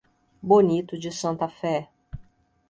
Bonito de Santa Fé